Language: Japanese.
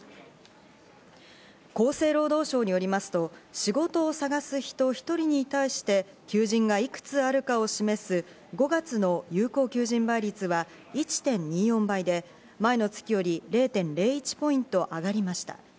厚生労働省によりますと、仕事を探す人１人に対して、求人がいくつあるかを示す５月の有効求人倍率は１．２４倍で、前の月より０．０１ポイント上がりました。